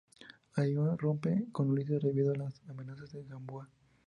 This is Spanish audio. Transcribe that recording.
Ainhoa rompe con Ulises debido a las amenazas de Gamboa.